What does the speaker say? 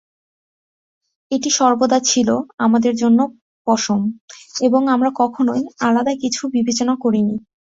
এটি সর্বদা ছিল, আমাদের জন্য, পশম এবং আমরা কখনই আলাদা কিছু বিবেচনা করি নি।